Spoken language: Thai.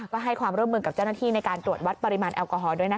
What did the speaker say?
ก็ให้ความร่วมมือกับเจ้าหน้าที่ในการตรวจวัดปริมาณแอลกอฮอล์ด้วยนะคะ